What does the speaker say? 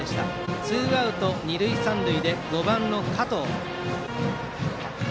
ツーアウト、二塁三塁で５番の加藤。